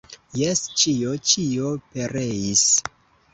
Jes, ĉio, ĉio pereis.